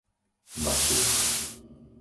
Bacúch